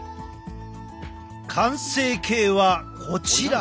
完成形はこちら！